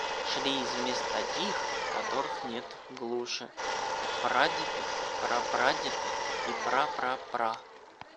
Шли из мест таких, которых нету глуше, — прадеды, прапрадеды и пра пра пра!..